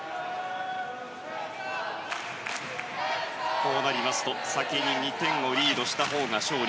こうなりますと、先に２点をリードしたほうが勝利。